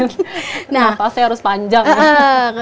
kenapa saya harus panjang